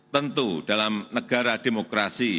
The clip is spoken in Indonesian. tentu dalam negara demokrasi